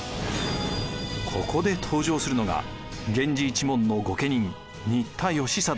ここで登場するのが源氏一門の御家人新田義貞です。